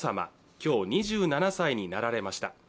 今日、２７歳になられました。